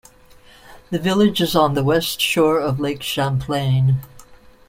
The village is on the west shore of Lake Champlain.